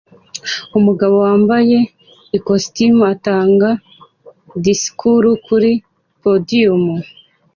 Umugabo wambaye ikositimu atanga disikuru kuri podium